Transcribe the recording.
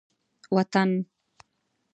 وطن